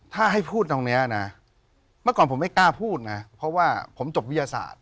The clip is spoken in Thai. ถ้าให้พูดตรงนี้นะเมื่อก่อนผมไม่กล้าพูดนะเพราะว่าผมจบวิทยาศาสตร์